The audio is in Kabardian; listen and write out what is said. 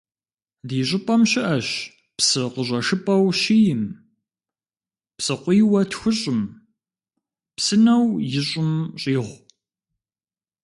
Ди щӀыпӀэм щыӀэщ псы къыщӀэшыпӀэу щиим, псыкъуийуэ тхущӀум, псынэу ищӀым щӀигъу.